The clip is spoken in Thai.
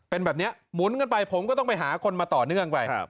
เป็นแบบนี้หมุนกันไปผมก็ต้องไปหาคนมาต่อเนื่องไป